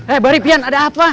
eh bari pian ada apa